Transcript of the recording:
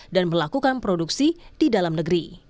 dan melakukan produksi di dalam negeri